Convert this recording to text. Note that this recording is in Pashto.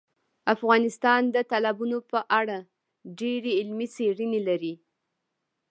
افغانستان د تالابونو په اړه ډېرې علمي څېړنې لري.